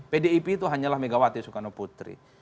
pdip itu hanyalah megawati soekarno putri